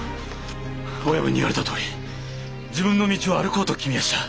親分に言われたとおり自分の道を歩こうと決めやした。